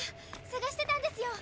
さがしてたんですよ。